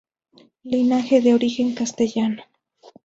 Linaje de origen castellano.